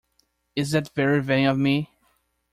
Is that very vain of me?